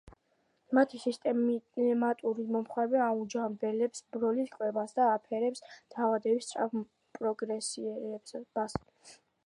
მათი სისტემატიური მოხმარება აუმჯობესებს ბროლის კვებას და აფერხებს დაავადების სწრაფ პროგრესირებას.